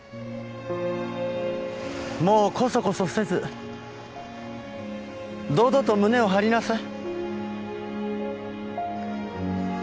もうコソコソせず堂々と胸を張りなさい。